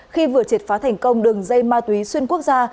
khi vừa triệt phá thành công đường dây ma túy xuyên quốc gia